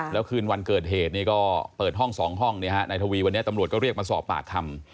แล้วคืนวันเกิดเหตุก็เปิดห้อง๒ห้องนายทวีวันนี้ตำรวจก็เรียกมาสอบปากคำ